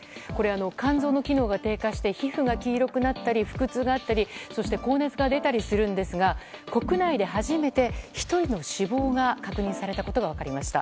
肝臓の機能が低下して皮膚が黄色くなったり腹痛があったりそして高熱が出たりするんですが国内で初めて、１人の死亡が確認されたことが分かりました。